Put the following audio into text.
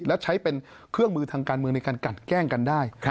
แล้วใช้เป็นเครื่องมือทางการเมืองในการกัดแกล้งกันได้